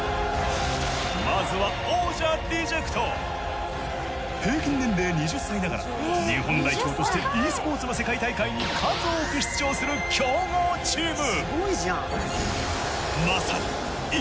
まずは平均年齢２０歳ながら日本代表としてｅスポーツの世界大会に数多く出場する強豪チーム！